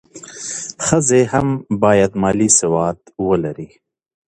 ښځې هم باید مالي سواد ولري.